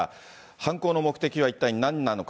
犯行の目的は一体なんなのか。